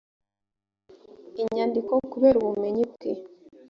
inyandiko kubera ubumenyi bwe